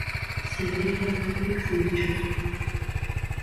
Segrega látex lechoso.